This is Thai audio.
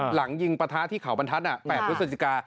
หลังยิงประทะที่เขาบรรทัด๘งศิษย์จิกา